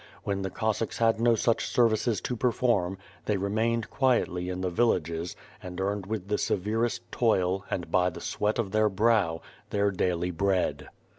When the Cossacks had no such services to perform, they remained quietly in the villages and earned with the severest toil, and by the sweat of their brow, their daily bread.